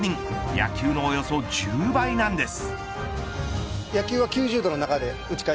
野球のおよそ１０倍なんです。